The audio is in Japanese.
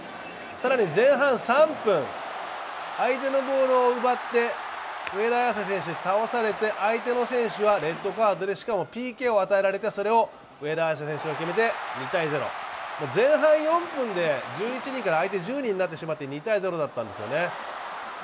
更に前半３分、相手のボールを奪って上田綺世選手倒されて相手の選手はレッドカードでしかもＰＫを与えられて、それを上田綺世選手が決めて２−０。前半４分で１１人から相手が１０人になってしまって２−０だったんですよね。